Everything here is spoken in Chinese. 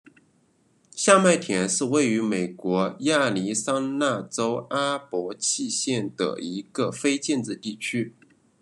下麦田是位于美国亚利桑那州阿帕契县的一个非建制地区。